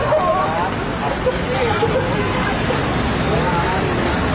สวัสดีครับ